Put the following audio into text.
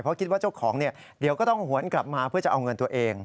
เพราะคิดว่าเจ้าของเดี๋ยวก็ต้องหวนกลับมาเพื่อจะเอาเงินตัวเอง